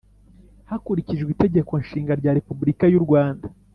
hakurikijwe itegeko nshinga rya republika y’u rwanda,